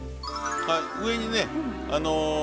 上にね糸